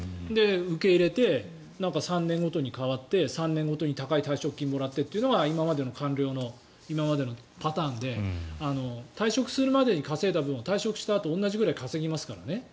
受け入れて３年ごとに変わって３年ごとに高い退職金をもらってというのが今までの官僚のパターンで退職するまでに稼いだ分を退職したあと同じぐらい稼ぎますからね。